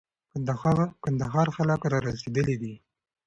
کندهار خلک را رسېدلي دي.